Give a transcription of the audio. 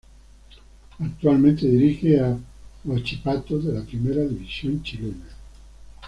Actualmente dirige a Huachipato, de la Primera División chilena.